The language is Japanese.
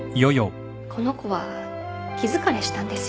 この子は気疲れしたんですよ。